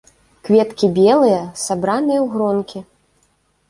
Кветкі белыя, сабраныя ў гронкі.